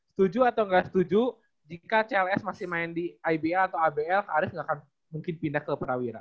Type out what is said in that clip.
setuju atau nggak setuju jika cls masih main di iba atau abl kak aris nggak akan mungkin pindah ke prawira